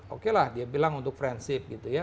oke lah dia bilang untuk friendship gitu ya